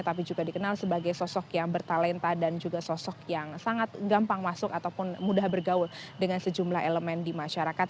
tapi juga dikenal sebagai sosok yang bertalenta dan juga sosok yang sangat gampang masuk ataupun mudah bergaul dengan sejumlah elemen di masyarakat